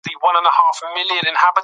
که سوله وي، نو تعلیمي پروسه به روانه وي.